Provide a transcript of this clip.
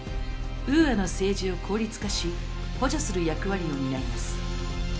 ウーアの政治を効率化し補助する役割を担います。